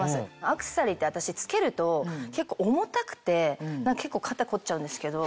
アクセサリーって私着けると結構重たくて結構肩凝っちゃうんですけど。